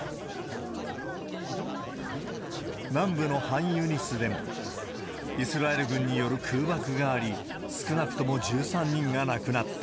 南部のハンユニスでもイスラエル軍による空爆があり、少なくとも１３人が亡くなった。